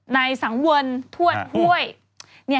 ในสังเวลทวดห้วย